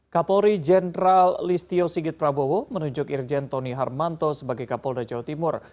kapolri jenderal listio sigit prabowo menunjuk irjen tony harmanto sebagai kapolda jawa timur